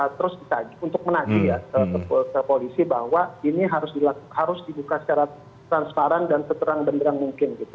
bisa terus disaji untuk menaji ya ke polisi bahwa ini harus dibuka secara transparan dan seterang beneran mungkin gitu